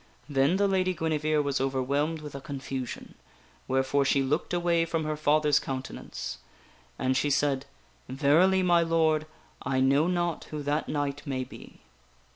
Then the Lady Guinevere was overwhelmed with a confusion, where fore she looked away from her father's countenance ; and she said :" Ver ily, my Lord, I know not who that knight may be."